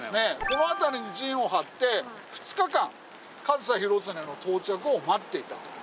この辺りに陣を張って２日間上総広常の到着を待っていたと。